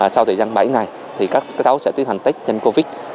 sau thời gian bảy ngày thì các cháu sẽ tiến hành test nhanh covid